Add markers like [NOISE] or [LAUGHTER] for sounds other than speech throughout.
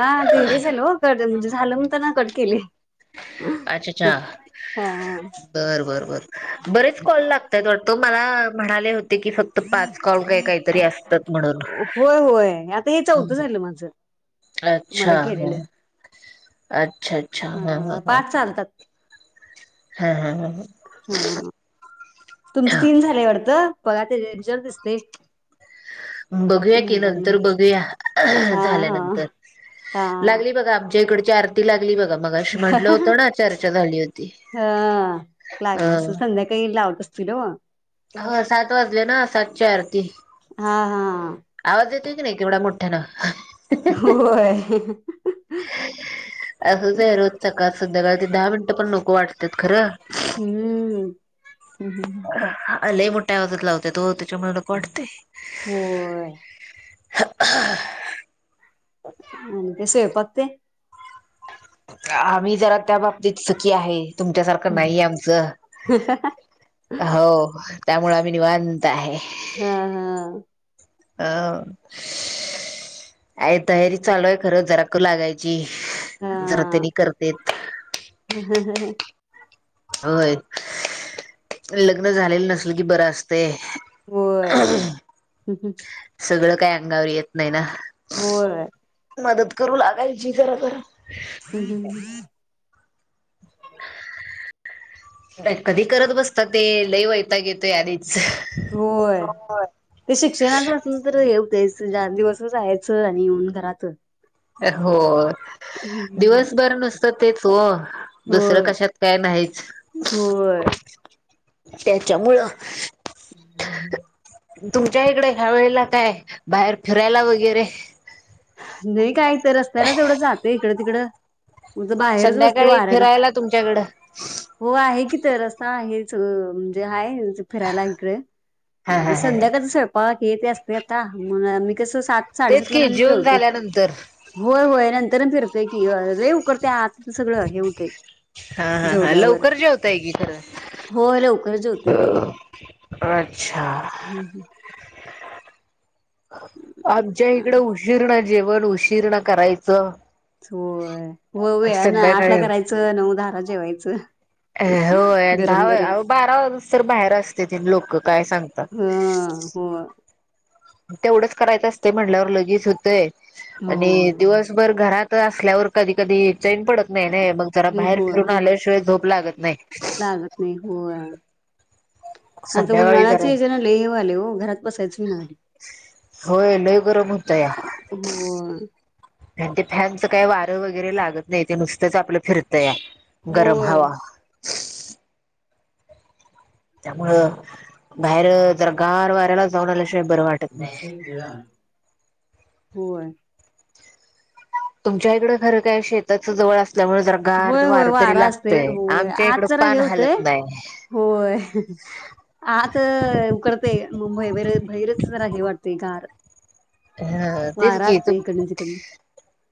हा ते हे झाल हो क, म्हणजे झालं म्हणताना कट केली. अच्छा अच्छा हा हा बर बर बर, बरेच कॉल लागतयत वाटतं, मला म्हणाले होते की फक्त पाच कॉल काय काहितरी असतात म्हणून, हो होय, आता हे चौतं हं. झालं माझ, अच्छा तुम्हाला ह केलेलं. अच्छा अच्छा हा हा हा पाच चालतात. हा हा हा हा हां तुमचं तीन झालेय वाढत, बघा त्याच्यावर दिसतेय. बघूया की, नंतर नंबर बघूया हा हा झाल्यानंतर हा लागली बघा आमच्या इकडची आर ती लागली बघा, मगाशी म्हटलं होतं ना चर्चा झाली होती. हां अ लागला अस, संध्याकाळी लावत असतील ओ हा सात वाजले ना, सातची आरती. हा हा आवाज येतोय की, नाही केवढा मोठ्यानं होय असंच आहे, रोज सकाळ - सध्याकाळ ते दहा मिनिटं पण नको वाटतेत खरं. हम्म हम्म हम्म लय मोठ्या आवाजात लावत्यात ओ, त्याच्यामुळ नको वाटतंय. होय [UNINTELLIGIBLE] आणि ते स्वयंपाक तेन? आम्ही जरा त्या बाबतीत सुखी आहे, तुमच्यासारखं नाहीय आमचं. हो, त्यामुळे आम्ही निवांत आहे. हा हा अ हाय तयारी चालू आहे खरं, जरा करु लागाय ची जरा तेनी करतेत. ह ह ह ह होय लग्न झालेलं नसल कि बरं असतेय होय सगळं काही अंगावर येत नाही ना होय मदत करू लागायची जरा जरा हम् कधी करत बसत ते लई वैताग येतो याधीच होय ते शिक्षणाचं असून तर हे होतयचं दिवसभर जायचं आणि येऊन घरात हो दिवसभर नुसतं तेच हो दुसरं कशात काय नाहीच होयं त्याच्यामुळं [UNINTELLIGIBLE] तुमच्या इकडे खावेळेला काय बाहेर फिरायला वगैरे नही काय तर रस्त्याला तेवढं जातय इकडं तिकडं म्हणज बाहेरच बसते संध्याकाळी वाऱ्याला फिरायला तुमच्याकडं हो आहे की तर रस्ता आहेच म्हणजे हायं फिरायला हा हा कडे हा हा. संध्याकाळच स्वयंपाक येत असते आता मण मी कसं सात साडेसातला मी जेवते त्यानंतर होय होय नंतर फिरतय की रे उकडतंय आता तर सगळं हे होतय हा हा हा लवकर जेवत्याय की खरं होय लवकर जेवते अच्छा आमच्या इकडे उशीर्ण जेवण उशीर्ण करायचं. हो व ना आठला संध्याकाळी करायचं नऊ, दहाला जेवायचं. होय गरम गरम दहा बारा वाजस तर बाहेर असते त लोक काय सांगतात. हो. तेवढंच करायचं असते म्हणल्यावर लगेच होतंय आणि होय दिवसभर घरात. असल्यावर कधी कधी चैन पडत नाही नाही मग जरा बाहेर फिरून होय आल्याशिवाय झोप लागत नाही. लागत होय हा तर संध्याकाळी उन्हाळाच जरा ज हे आले हो घरात बसायच मी झाले. होय लय गरम होतया होय आणि ते फॅनचं काही वारं वगैरे लागत नाही ते नुसत्याच आपलं फिरत या गरम होय. हवा. त्यामुळ बाहेर जर गार वाऱ्याला जाऊन आल्याशिवाय बरं वाटत नाही बाकी घला होय तुमच्या इकड खरं काय शेताचं जवळ असत. असल्यामुळे जर गार होय होय दवार तरी वारा असतय लागतय होय आमच्या इकड आत जरा हे पान होतय हालत नाही. होय आ तर उकडतेय मुंबई बरे बैरच नाही वाटते गार हा तेच वारा क त. असतोय इकडन तिकडन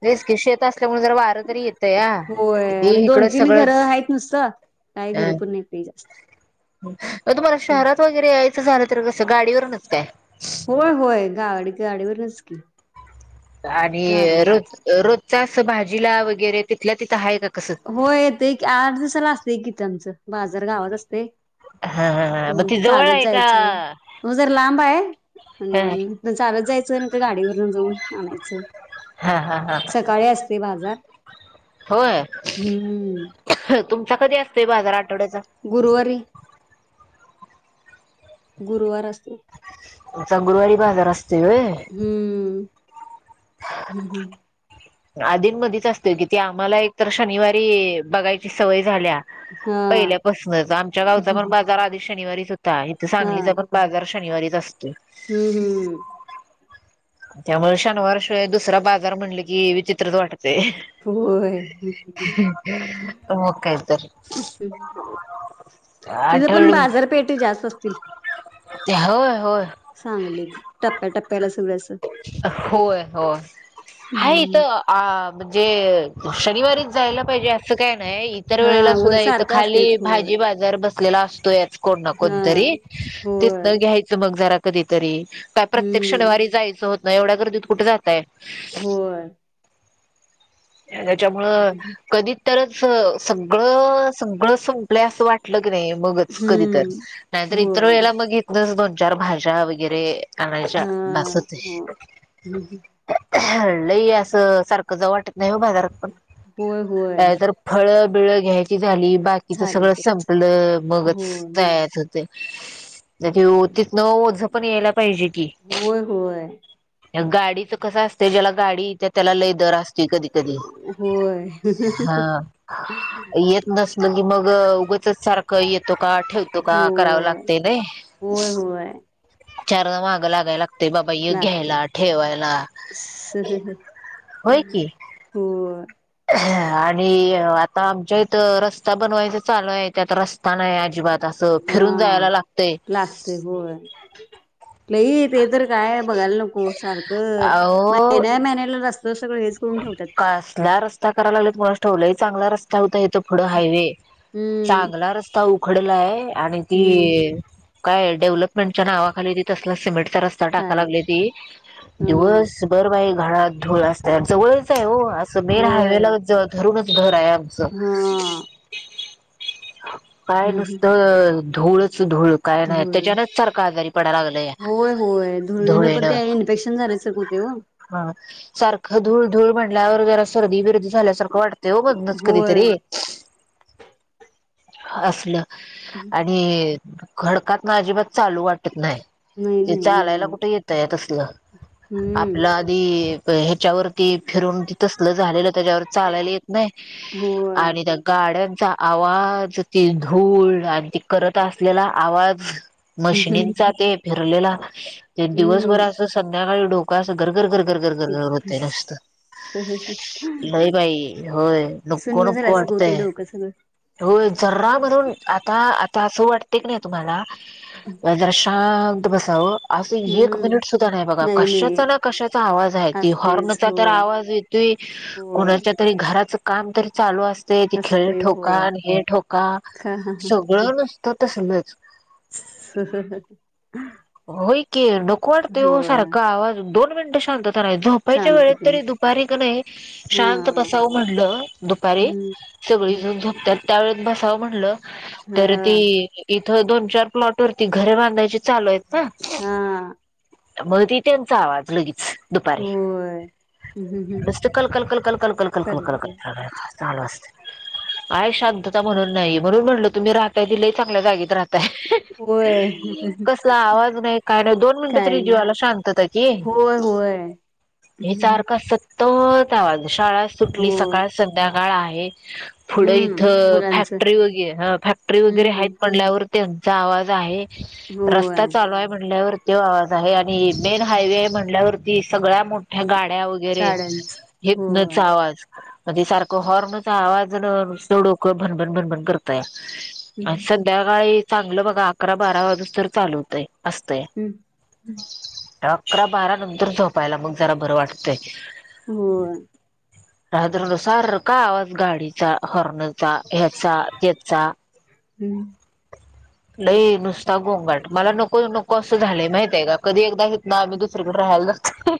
तेच की शेत असल्यामुळे जर वारं तरी येतय या होय आणि दोन इकडं तीन घरं सगळंच आहेत नुसतं. काय घर पण नाही की मग तुम्हाला शहरात वगैरे यायचं झालं तर कसं गाडीवर नच काय. होय होय गाडी गाडीवर नचकी आणि रोज रोजचा अस भाजीला वगैरे तिथल्या तिथं आहे का कसं. होय येतय की, आठ दिवसाला असतय कि तेंच बाजार गावात असतय. हा हा हा मग हम्म... त ती जवळ चालत आहे का जायचं, हूं जरा लांब हाय ह अम्म इतन चालत जायचं नंतर गाडीवरून जाऊन आणायचं, हा हा हा सकाळी असतय बाजार. होय, हम्म [INAUDIBLE] तुमचा कधी असतोय बाजार आठवड्याचा? गुरुवारी ‌. गुरुवार असतय. [INAUDIBLE] तुमचा गुरवारी बाजार असतोय व्हय. हम्म... हम्म -हम्म आधी मधीच असतय कि ते आम्हाला एकतर शनिवारी बघायची सवय झाल्या. हा पहिल्यापसनच आमच्या गावचा पण बाजार आधी शनिवारीच होता, इथ हा सांगलीचा पण बाजार शनिवारीच असतोय. हम्म- हम्म. त्यामुळ शनिवार शिवाय दुसरा बाजार म्हणलं कि विचित्रच वाटतय. होय मग काय तर [UNINTELLIGIBLE] [INAUDIBLE] तिथ पण आठवड बाजारपेठे जास्त असतील? होय होय सांगलित टप्प्या- टप्प्याला सगळे असं. होय- होय [INAUDIBLE] हम्म.. तिथं आ- म्हणजे [INAUDIBLE] शनिवारी जायला पाहिजे असं काय नाही, इतर हा वेळेला होय सुद्धा इथ सारखं खाली असतेच होय भाजी बाजार बस लेला असतोयाच कोण ना हा कोणतरी होय तिथन घ्यायचं मग जरा कधीतरी. काय प्रत्येक हम्म शनिवारी जायचं होत नाही, एवढ्या गर्दीत कुठे जात होय. हेच्यामुळ कधीतरच सगळं- सगळं- स पलय असं वाटलं कनय मगच कधी तर, हम्म नाहीतर इतर होय वेळेला मग इथनच दोन, चार भाज्या वगैरे आनायच्या हा बास होतय. हो हम्म. [INAUDIBLE] [INAUDIBLE] लय असं सारखं जाऊ वाटत नाही हो बाजारात पण होय होय आ तर फळ -बिळं घ्यायची झाली, बाकीच चालेल सगळं तरच संपलं मगच होय तया चतय, त्यात ओ-तिथन ओझ पण यायला पाहिजे कि. होय -होय. गाडीचं कसं असतय, ज्याला गाडी इत्या त्याला लय दर असतोय कधी- कधी होय [INAUDIBLE] हा [INAUDIBLE] येत नसल की मग उगचच सारखं येतो का? ठेव तु का करावं होय लागतय नय. होय होय चारदा माग लागायला लागतय, बाबा य घ्यायला, ठेवायला. [INAUDIBLE] होय की हो [INAUDIBLE] आणि आता आमच्या इथं रस्ता बनवायचा चालू आहे, त्यात रस्ता नाही अजिबात. तिथं असं फिरून जायाला लागतय. ते होय [INAUDIBLE] लय ते तर काय बघायला नको सारखं अहो महिन्या -महिन्याला रस्ता सगळं हेच करून ठेवत्यात. कसला रस्ता करालागलेत कुणास ठाऊक लय चांगला रस्ता होता, येत पुडं हायवे हम्म चांगला रस्ता उखडलाय आणि हम्म ती काय, डेव्हलपमेंटच्या नावाखाली ती तसला सिमेंटचा रस् स्ता टाका काय लागलेती, हा दिवस भर बाई घरात धूळ असत्या. जवळच आहे ओ अ स मेन होय हायवेला -ज धरूनच घर आहे आमचं. हा काय हम्म हम्म नुसतं धूळच धूळ. काय नाही. धुळ त्याच्यानेच सारखंआजारी पडाला लागल, होय होय धुळीनं पण धुळेनं. ते इन्फेक्शन झाल्यासारखं होतंय ओ हा, सारखं धूळ धूळ म्हटल्यावर जरा सर्दी विर्दी झाल्यासारखं वाटतेय हो म. च होय कधीतरी.. आसलं. णि खडकात अजिबात चालू वाटत नाई. नाही ते नाही होय चालायला कुठे येत ते तसलं हम्म आपलं आधी हे ब हेच्यावर त फिरून ति तसल झालेलं त्याच्यावर चालायला येत नाई होय आणि त्या गाड्यांचा आवाज, ती धूळ आणि ती करत असलेला आवाज मशिनीचांते फिरलेला ते हम्म दिवसभर अस संध्याकाळी डोकं असं गर गर गर गर गर गर गर होतंय नुसतं. नाही बाई. होय नको सुन्न नको झाल्यासारखं होतंय वाटतय. डोकं सगळं हो जरा म्हणून आता-आता असं वाटते की नाही तुम्हाला जरा शां शांत बसावं आसं एक हम्म मिनिट सुद्धा नाई बघा. नाही नाही कशाचा ना कशाचा आवाज आए. असतेच हॉर्नचा तर होय आवाज येतोय. होय कोणाच्या तरी घराचं काम तर चालू अस ते ते खीळ असते ठोका होय न हे ठोका हा हा सगळं नुसत तसलंच ह ह ह.. होय की. नको वाटते ओ सारखा आवाज दोन मिंटं शांतता नाही झोप पैच्या सांगतो वेळेत की तरी दुपारी का नही शांत हा बसावं म्हटलं दुपारी हम्म सगळी जण झोपतात. त्या वळेत बसावं म्हणलं तर ती हा इथं दोन, चार प्लॉटवरती घर बांधायची चाल ह. हा मधी त्यांचा आवाज लगेच दुपारी, होय. हम्म हम्म. नुस्त कल कल कल कल कल कल कल कल कल कल्ली कल चालू असते आहेय शांतता म्हणून नाही म्हणून म्हटलं तुम्ही राहताय ते लई चांगल्या जागेत राहता होय. कसला आवाज नाई काय नाही. दोन मिंटं काय? तरी जीवाला शांतता घे. होय होय. हे हम्म. सारखा सत्तत आवाज शाळा सुटली होय सकाळ संध्याकाळ आहेच. पुढं हम्म इथं मुलांचं फॅक्टरी उगी ए हा फॅक्टरी वगरे हम्म हायेत म्हंटल्यावर त्यांचा आवाज आहे. हो आ. लॉय म्हणल्यावरती आवाज आहे आणि मेन हायवे म्हणल्यावरती सगळ्या मो ह्या गाड्या वगरे, गाड्यांच हितनच होय. आवाज म्हणजे सारखं हॉर्नचा आवाज जणु नुसतं डोकं भनभन भनभनं करतया. आन हम्म. सध्याकाळी चांगलं बघा आकरा बारा वाजे स्तोर चालू तय असतंय. हम् हं अकरा बारा नंतर झोपायला मग जरा बरं वाटतंय. हो. रात्र नुसता सारखा आवाज गाडीचा हॉर्नचा ह्याचा त्याचा. हम्. लई नुसता गोंगाट मला नको नको असं झालंय माहितय का. कधी एकदा ना अमी दुसरीकड राहायला जातं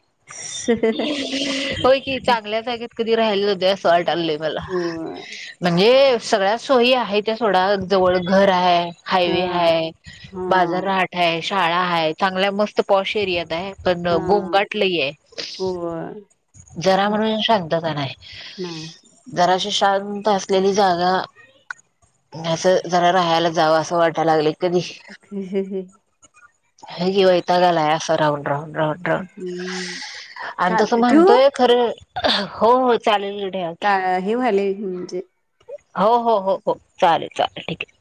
होय की. चांगल्या जागेत कधी राहायला जातोय असं ट आणलंय मला होय म्हणजे सगळ्या सोयी आहे त्या सोडा जवळ घर हाये हा हायवे हाए. हा बाजारहाट हाये शाळा आए. चांगल्या मस्त पॉश एरियात आहे. पण हा गोंगट लई ए. होय. जरा म्हणून शांतता नाही. नाही जराशी शांत असलेली जागा आणि असं. जरा राहायला जावं असं वाटायला लागलं कधी. होय की वैताग आलाय अस राहून राहून. राहून हम्म. आणि तस चालतंय ठेवू? म्हणतोय खरे हो चालेल्या ठे''-'' कानाजी वायले तुमचे. हो हो हो हो, चालेल चालेल ठीक आहे.